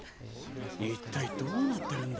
一体どうなってるんだ？